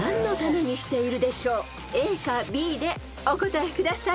［ＡかＢでお答えください］